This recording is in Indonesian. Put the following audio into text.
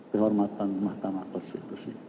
kehormatan mahkamah konstitusi